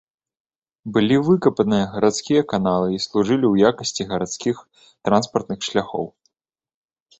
Былі выкапаныя гарадскія каналы і служылі ў якасці гарадскіх транспартных шляхоў.